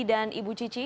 dan ibu cici